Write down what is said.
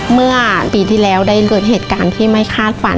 เมื่อปีที่แล้วได้เกิดเหตุการณ์ที่ไม่คาดฝัน